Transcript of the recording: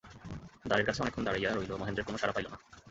দ্বারের কাছে অনেকক্ষণ দাঁড়াইয়া রহিল–মহেন্দ্রের কোনো সাড়া পাইল না।